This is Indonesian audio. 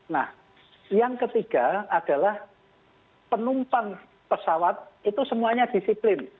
nah yang ketiga adalah penumpang pesawat itu semuanya disiplin